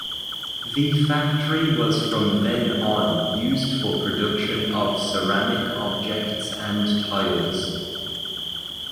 The factory was from then on used for production of ceramic objects and tiles.